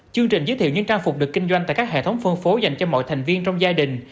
chương trình giới thiệu những trang phục được kinh doanh tại các hệ thống phân phối dành cho mọi thành viên trong gia đình